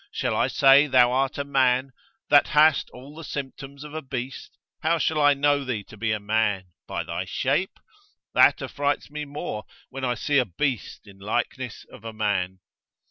Shall I say thou art a man, that hast all the symptoms of a beast? How shall I know thee to be a man? by thy shape? That affrights me more, when I see a beast in likeness of a man.